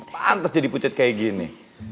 pantas jadi pucat kayak gini